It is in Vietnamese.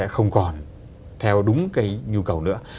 sẽ không còn theo đúng cái nhu cầu nữa